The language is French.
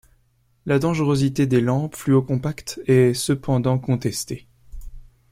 La dangerosité des lampes fluocompactes est cependant contestée.